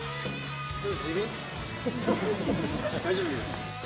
大丈夫？